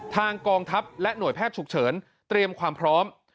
กองทัพและหน่วยแพทย์ฉุกเฉินเตรียมความพร้อม